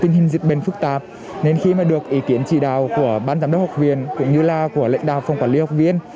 tình hình dịch bệnh phức tạp nên khi mà được ý kiến chỉ đạo của ban giám đốc học viện cũng như là của lãnh đạo phòng quản lý học viên